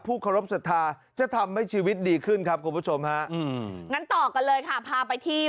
ผู้ครบศัตธาจะทำให้ชีวิตดีขึ้นครับกลุ่มผู้ชมฮะงั้นต่อกันเลยค่ะพาไปที่